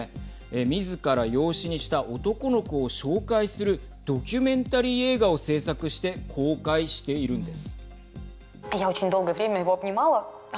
みずから養子にした男の子を紹介するドキュメンタリー映画を制作して公開しているんです。